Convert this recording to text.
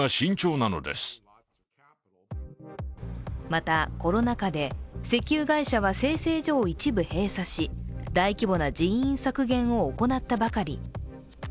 また、コロナ禍で石油会社は精製所を一部閉鎖し、大規模な人員削減を行ったばかり。